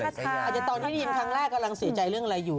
อาจจะตอนที่ได้ยินครั้งแรกกำลังเสียใจเรื่องอะไรอยู่